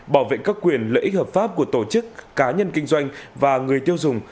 bảo vệ các quyền lợi ích hợp pháp của tổ chức cá nhân kinh doanh và người tiêu dùng